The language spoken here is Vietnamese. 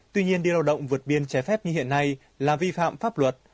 tuy nhiên đi lao động vượt biên trái phép như hiện nay là vi phạm pháp luật